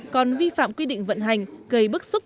còn vi phạm quy định vận hành gây bức xúc